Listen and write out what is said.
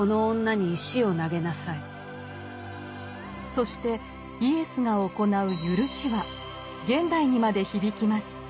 そしてイエスが行う「ゆるし」は現代にまで響きます。